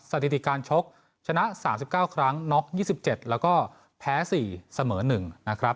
สถิติการชกชนะ๓๙ครั้งน็อก๒๗แล้วก็แพ้๔เสมอ๑นะครับ